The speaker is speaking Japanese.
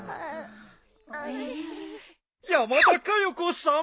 山田かよ子さん。